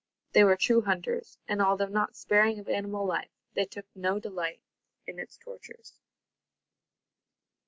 They were true hunters, and, although not sparing of animal life, they took no delight in its tortures.